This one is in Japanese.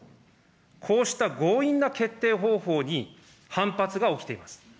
こうした強引な決定方法に、反発が起きています。